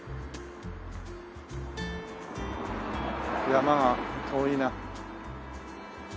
山が遠いな。